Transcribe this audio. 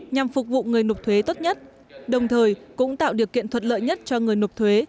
nhằm phục vụ người nộp thuế tốt nhất đồng thời cũng tạo điều kiện thuận lợi nhất cho người nộp thuế